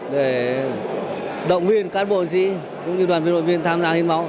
để động viên cán bộ chiến sĩ cũng như đoàn viên đội viên tham gia hiến máu